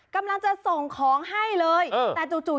กำลังจะส่งของให้เลยแต่จู่